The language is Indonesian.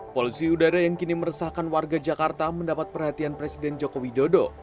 polusi udara yang kini meresahkan warga jakarta mendapat perhatian presiden joko widodo